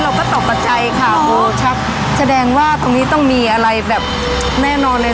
เราก็ตกประจัยค่ะโอ้ชักแสดงว่าตรงนี้ต้องมีอะไรแบบแน่นอนเลย